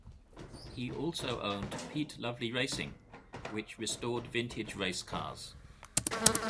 He also owned "Pete Lovely Racing" which restored vintage race cars.